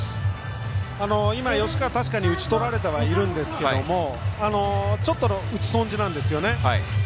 今、吉川は確かに打ち取られてはいるんですけどちょっと打ち損じなんですよね。